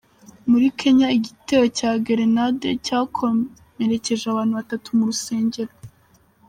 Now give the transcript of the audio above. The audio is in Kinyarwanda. Muri Kenya igitero cya Gerenade cyakomerekeje abana batatu mu rusengero